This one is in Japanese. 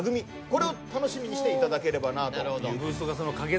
これを楽しみにしていただければなと。